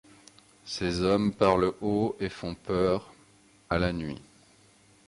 Ces hommes parlent haut et font peur. à la nuit.